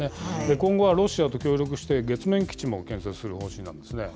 今後はロシアと協力して、月面基地も建設する方針なんですね。